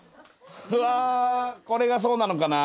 うわこれがそうなのかな？